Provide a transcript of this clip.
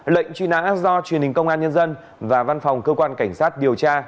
lệnh truy nã do truyền hình công an nhân dân và văn phòng cơ quan cảnh sát điều tra bộ công an phối hợp thực hiện